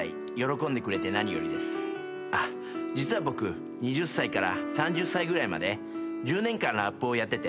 実は僕２０歳から３０歳ぐらいまで１０年間ラップをやってて。